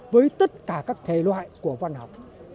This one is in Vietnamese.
với tất cả các thể loại của văn học